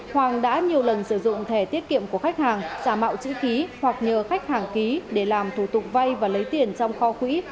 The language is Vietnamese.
hoàng đã nhiều lần sử dụng thẻ tiết kiệm của khách hàng giả mạo chữ ký hoặc nhờ khách hàng ký để làm thủ tục vay và lấy tiền trong kho quỹ